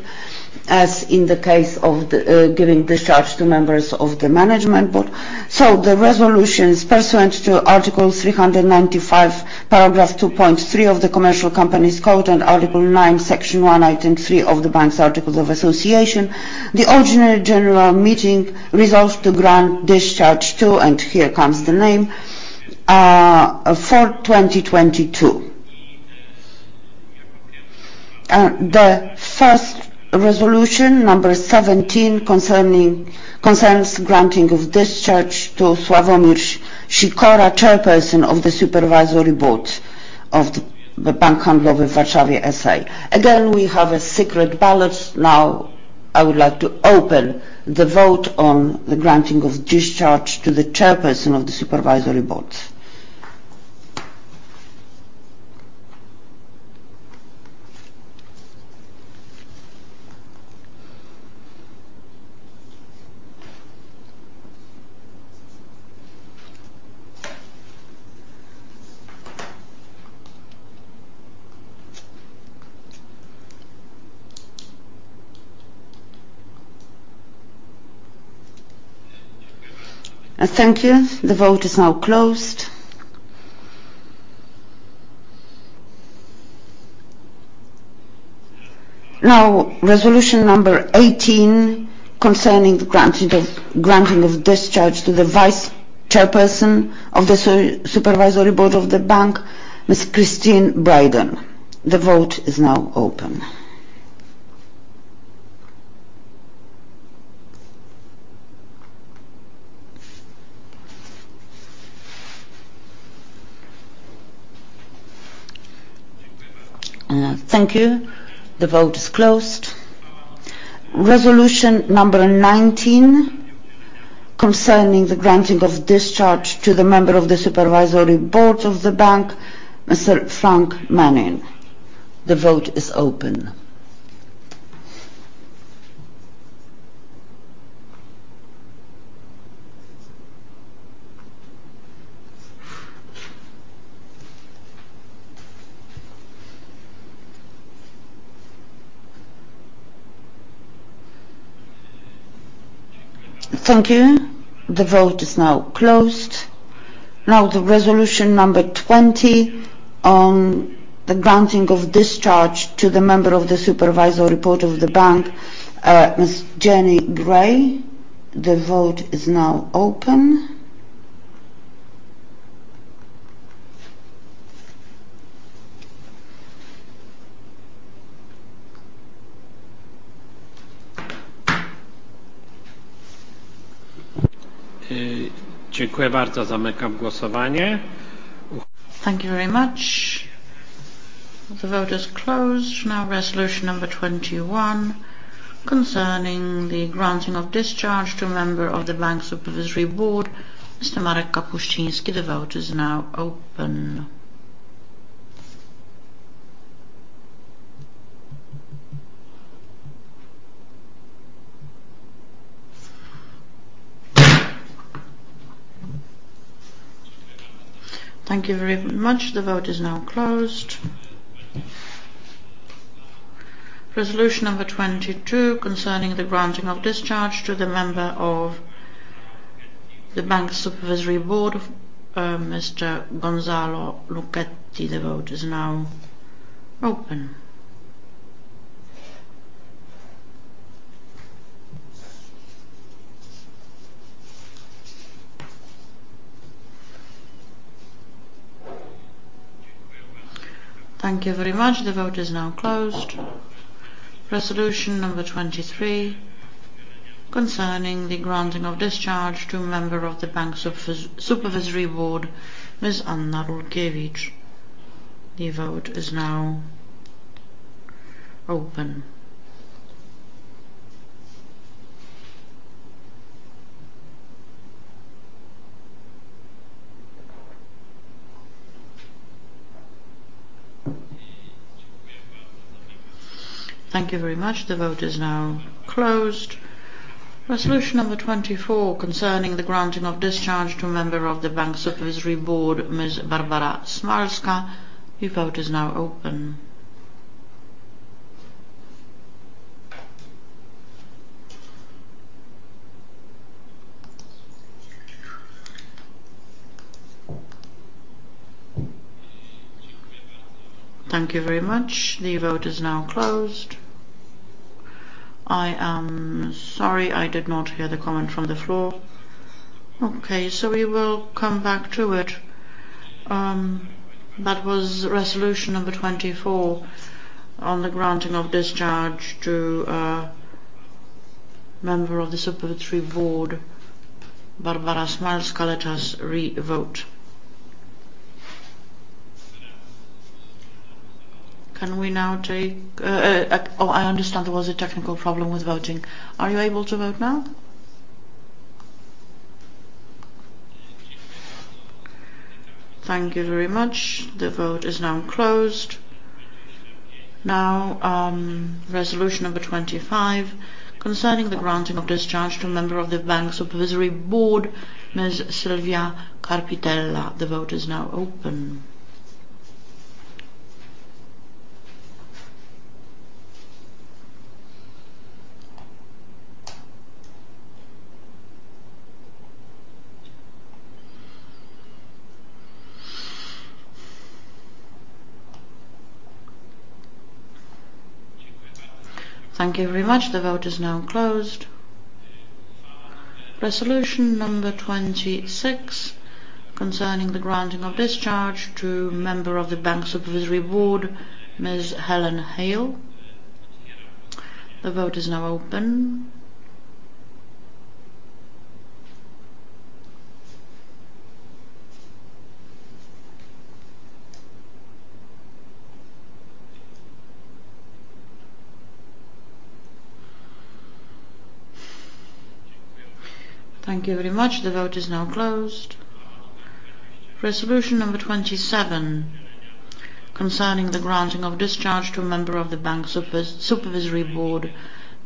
as in the case of the giving discharge to members of the Management Board. The resolution is pursuant to Article 395, paragraph 2.3 of the Commercial Companies Code and Article nine, Section one, Item three of the bank's Articles of Association. The ordinary general meeting resolves to grant discharge to, and here comes the name, for 2022. The first resolution, number 17, concerns granting of discharge to Sławomir Sikora, Chairperson of the Supervisory Board of the Bank Handlowy w Warszawie S.A. Again, we have a secret ballot. I would like to open the vote on the granting of discharge to the Chairperson of the Supervisory Board. Thank you. The vote is now closed. Resolution number 18, concerning the granting of discharge to the Vice Chairperson of the Supervisory Board of the Bank, Ms. Kristine Braden. The vote is now open. Thank you. The vote is closed. Resolution number 19, concerning the granting of discharge to the member of the Supervisory Board of the Bank, Mr. Frank Mannion. The vote is open. Thank you. The vote is now closed. The resolution number 20 on the granting of discharge to the member of the Supervisory Board of the Bank, Ms. Janny Grey. The vote is now open. Thank you very much. The vote is closed. Resolution number 21, concerning the granting of discharge to a member of the Bank Supervisory Board, Mr. Marek Kapuściński. The vote is now open. Thank you very much. The vote is now closed. Resolution number 22, concerning the granting of discharge to the member of the Bank Supervisory Board, Mr. Gonzalo Luchetti. The vote is now open. Thank you very much. The vote is now closed. Resolution number 23, concerning the granting of discharge to a member of the Bank Supervisory Board, Ms. Anna Rulkiewicz. The vote is now open. Thank you very much. The vote is now closed. Resolution number 24, concerning the granting of discharge to a member of the Bank Supervisory Board, Ms. Barbara Smalska. The vote is now open. Thank you very much. The vote is now closed. I am sorry, I did not hear the comment from the floor. Okay, we will come back to it. That was resolution number 24 on the granting of discharge to member of the Supervisory Board, Barbara Smalska. Let us revote. I understand there was a technical problem with voting. Are you able to vote now? Thank you very much. The vote is now closed. Resolution number 25, concerning the granting of discharge to a member of the Bank Supervisory Board, Ms. Silvia Carpitella. The vote is now open. Thank you very much. The vote is now closed. Resolution number 26, concerning the granting of discharge to member of the Bank Supervisory Board, Ms. Helen Hale. The vote is now open. Thank you very much. The vote is now closed. Resolution number 27, concerning the granting of discharge to a Member of the Bank Supervisory Board,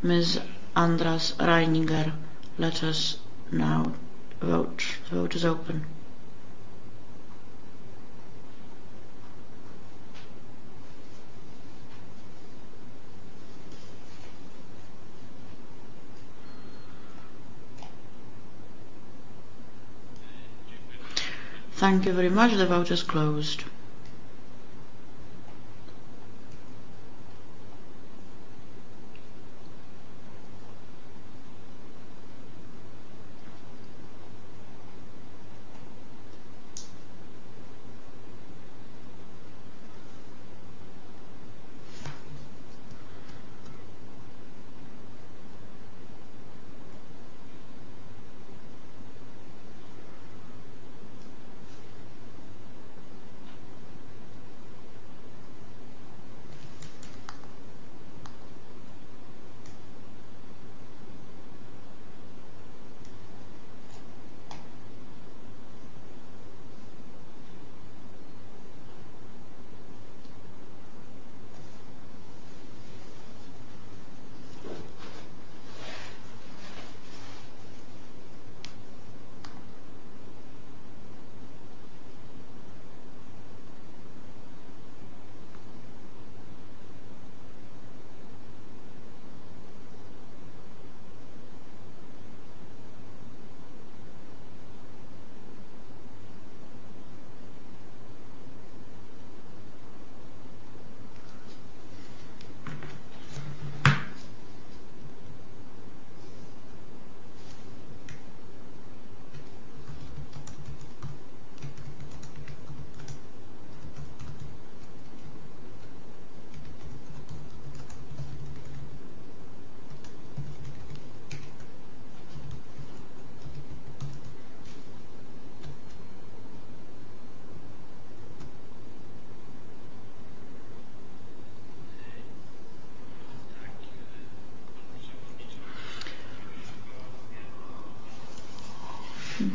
Ms. András Reiniger. Let us now vote. The vote is open. Thank you very much. The vote is closed.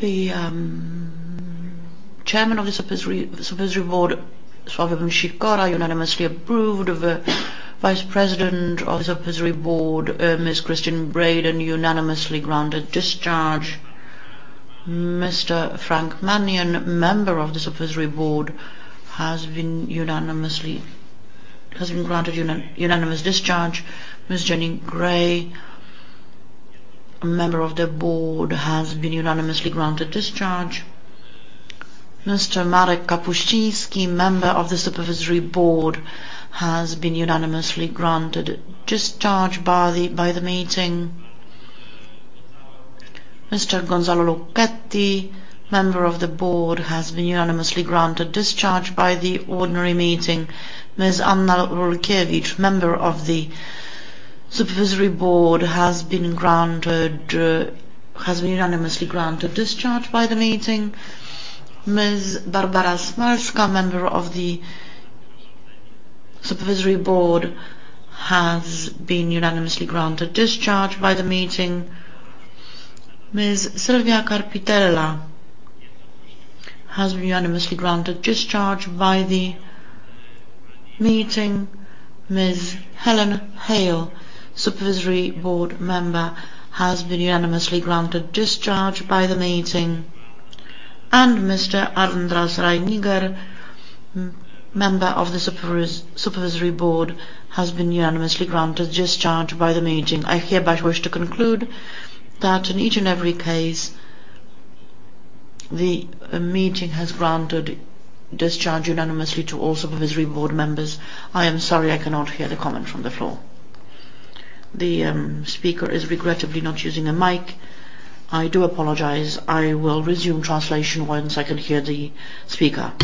The Chairman of the Supervisory Board, Sławomir Sikora, unanimously approved. The Vice Chairperson of the Supervisory Board, Ms. Kristine Braden, unanimously granted discharge. Mr. Frank Mannion, Member of the Supervisory Board, has been unanimously granted unanimous discharge. Ms. Jenny Grey, a Member of the Board, has been unanimously granted discharge. Mr. Marek Kapuściński, Member of the Supervisory Board, has been unanimously granted discharge by the meeting. Mr. Gonzalo Luchetti, Member of the Board, has been unanimously granted discharge by the ordinary meeting. Ms. Anna Rulkiewicz, Member of the Supervisory Board, has been unanimously granted discharge by the meeting. Barbara Smalska, member of the Supervisory Board, has been unanimously granted discharge by the meeting. Ms. Silvia Carpitella has been unanimously granted discharge by the meeting. Ms. Helen Hale, Supervisory Board member, has been unanimously granted discharge by the meeting. Mr. Andras Reiniger, member of the Supervisory Board, has been unanimously granted discharge by the meeting. I hereby wish to conclude that in each and every case the meeting has granted discharge unanimously to all Supervisory Board members. I am sorry I cannot hear the comment from the floor. The speaker is regrettably not using a mic. I do apologize. I will resume translation once I can hear the speaker.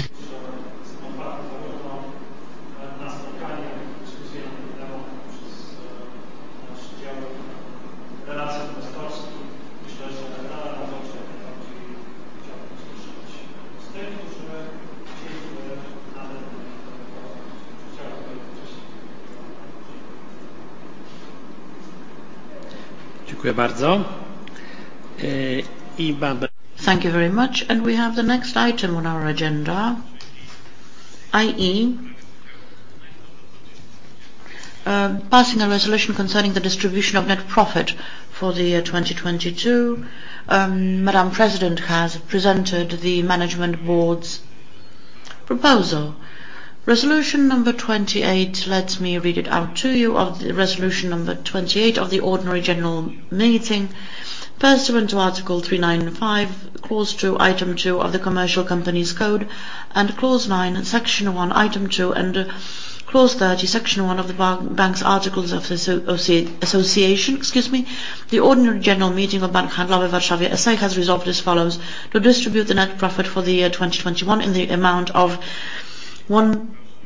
Thank you very much. We have the next item on our agenda, i.e., passing a resolution concerning the distribution of net profit for the year 2022. Madam President has presented the Management Board's Proposal. Resolution number 28. Let me read it out to you. Of the resolution number 28 of the ordinary general meeting. Pursuant to Article 395, Clause two, Item two of the Commercial Companies Code and Clause nine, Section one, Item two, and Clause 30, Section 1 of the bank's articles of association. Excuse me. The ordinary general meeting of Bank Handlowy w Warszawie S.A. has resolved as follows: To distribute the net profit for the year 2021 in the amount of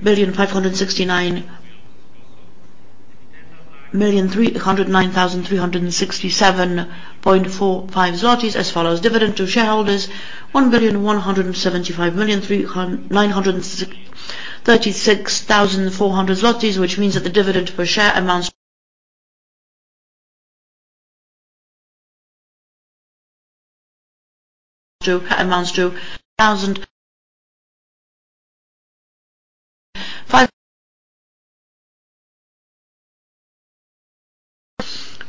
1,569,309,367.45 zlotys as follows: Dividend to shareholders, 1,175,936,400 zlotys, which means that the dividend per share amounts to a thousand... Five...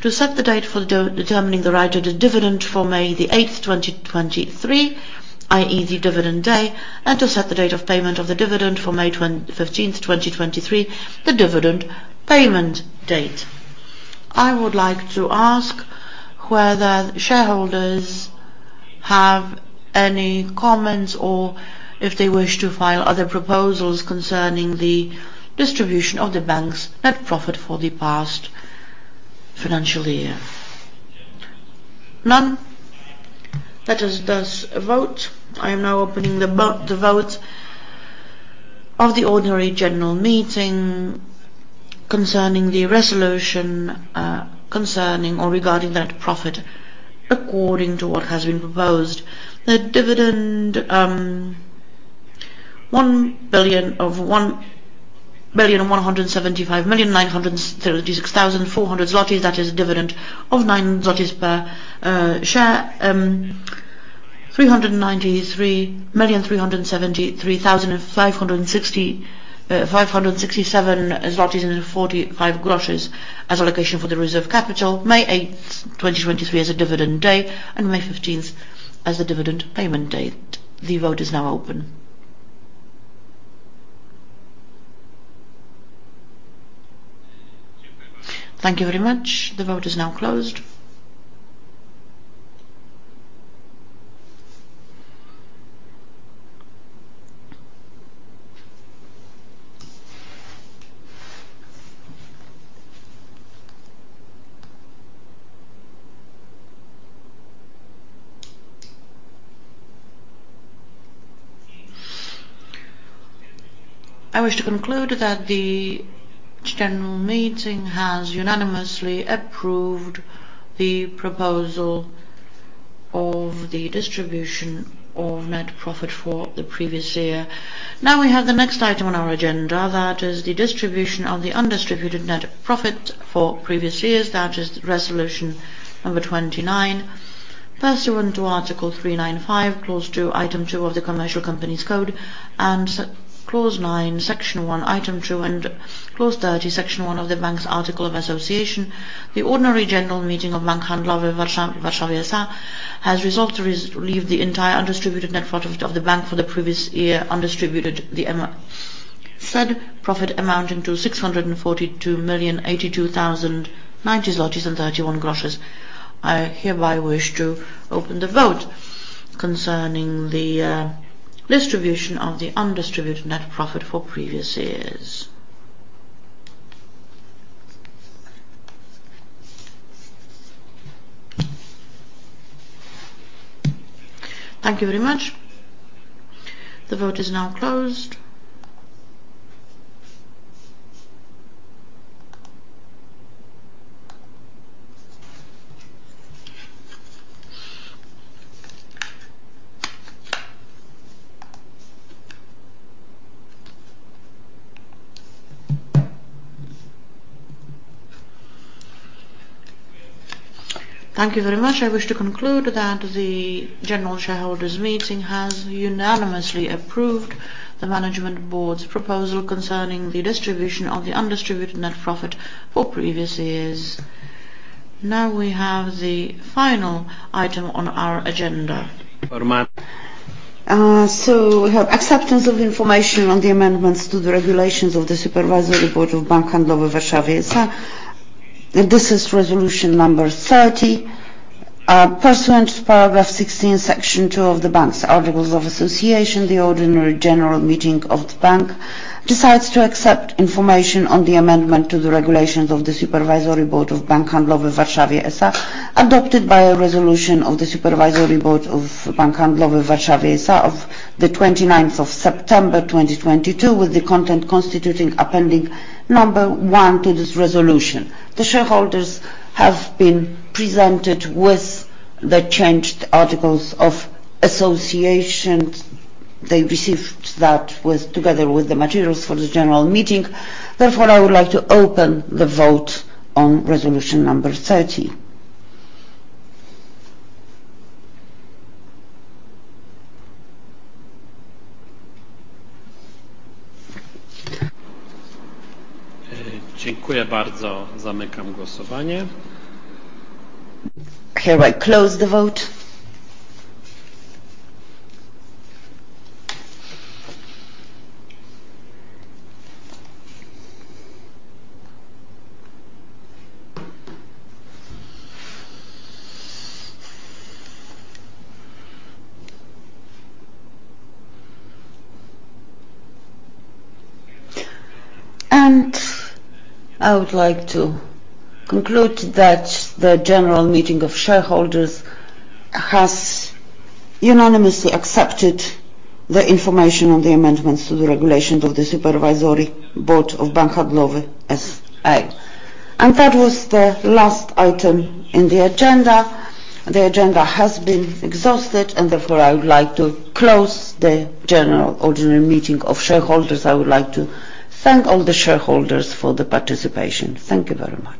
To set the date for de-determining the right to the dividend for May 8, 2023, i.e., the dividend day, and to set the date of payment of the dividend for May 15, 2023, the dividend payment date. I would like to ask whether shareholders have any comments or if they wish to file other proposals concerning the distribution of the bank's net profit for the past financial year. None. Let us thus vote. I am now opening the vote of the ordinary general meeting concerning the resolution concerning or regarding that profit according to what has been proposed. The dividend, 1,175,936,400 złotys, that is dividend of 9 złotys per share. 393,373,567 złotys and 45 groszy as allocation for the reserve capital. May eighth, 2023 as the dividend day, and May fifteenth as the dividend payment date. The vote is now open. Thank you very much. The vote is now closed. I wish to conclude that the general meeting has unanimously approved the proposal of the distribution of net profit for the previous year. We have the next item on our agenda, that is the distribution of the undistributed net profit for previous years. That is resolution number 29. Pursuant to Article 395, Clause 2, Item 2 of the Commercial Companies Code and Clause nine, Section one, Item two, and Clause 30, Section one of the bank's article of association, the ordinary general meeting of Bank Handlowy w Warszawie S.A. has resolved to leave the entire undistributed net profit of the bank for the previous year undistributed. Said profit amounting to 642,082,090 złotys and 31 groszy. I hereby wish to open the vote concerning the distribution of the undistributed net profit for previous years. Thank you very much. The vote is now closed. Thank you very much. I wish to conclude that the general shareholders meeting has unanimously approved the management board's proposal concerning the distribution of the undistributed net profit for previous years. We have the final item on our agenda. We have acceptance of the information on the amendments to the regulations of the Supervisory Board of Bank Handlowy w Warszawie S.A. This is resolution number 30. Pursuant to Paragraph 16, Section two of the bank's articles of association, the ordinary General Meeting of the bank decides to accept information on the amendment to the regulations of the Supervisory Board of Bank Handlowy w Warszawie S.A., adopted by a resolution of the Supervisory Board of Bank Handlowy w Warszawie S.A. of the 29th of September, 2022, with the content constituting appending number one to this resolution. The shareholders have been presented with the changed articles of association. They received that with together with the materials for the General Meeting. I would like to open the vote on resolution number 30. Here I close the vote. I would like to conclude that the general meeting of shareholders has unanimously accepted the information on the amendments to the regulations of the Supervisory Board of Bank Handlowy S.A. That was the last item in the agenda. The agenda has been exhausted, and therefore, I would like to close the general ordinary meeting of shareholders. I would like to thank all the shareholders for the participation. Thank you very much.